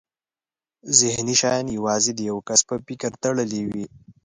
ذهني شیان یوازې د یو کس په فکر تړلي وي.